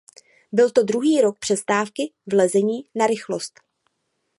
Byl to druhý rok přestávky v lezení na rychlost.